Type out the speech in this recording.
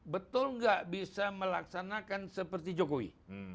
betul nggak bisa melaksanakan seperti jokowi